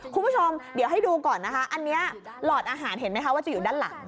คุณผู้ชมเดี๋ยวให้ดูก่อนนะคะอันนี้หลอดอาหารเห็นไหมคะว่าจะอยู่ด้านหลัง